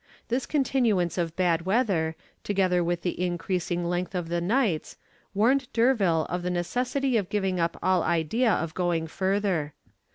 This continuance of bad weather, together with the increasing length of the nights, warned D'Urville of the necessity of giving up all idea of going further.